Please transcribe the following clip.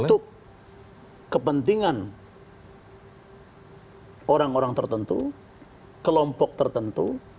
untuk kepentingan orang orang tertentu kelompok tertentu